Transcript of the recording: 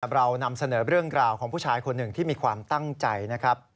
เรานำเสนอเรื่องราวของผู้ชายคนหนึ่งที่มีความตั้งใจนะครับ